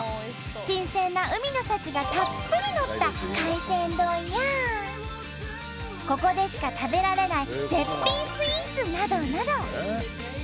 新鮮な海の幸がたっぷりのった海鮮丼やここでしか食べられない絶品スイーツなどなど。